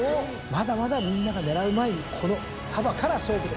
まだまだみんなが狙う前にこのサヴァから勝負です。